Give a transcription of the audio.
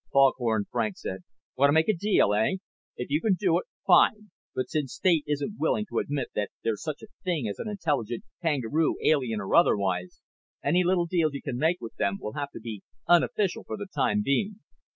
Foghorn Frank said, "Want to make a deal, eh? If you can do it, fine, but since State isn't willing to admit that there's such a thing as an intelligent kangaroo, alien or otherwise, any little deals you can make with them will have to be unofficial for the time being.